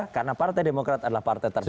karena partai demokrat adalah partai terbesar